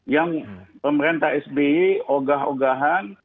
yang pemerintah sby ogah ogahan